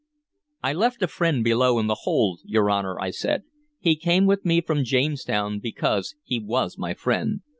"I left a friend below in the hold, your Honor," I said. "He came with me from Jamestown because he was my friend.